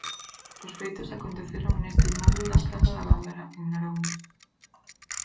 Os feitos aconteceron neste inmoble da praza da Gándara, en Narón.